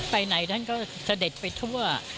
ไปไหนท่านก็เสด็จไปทั่ว